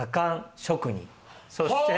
そして。